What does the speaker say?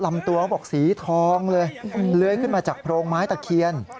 ลำตัวเขาบอกสีทองเลยเลื้อยขึ้นมาจากโพรงไม้ตะเคียน